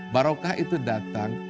barokah itu datang